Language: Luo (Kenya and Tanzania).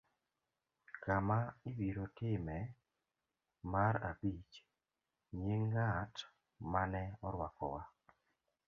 Kama ibiro timee mar abich. Nying ' ng'at ma ne orwakowa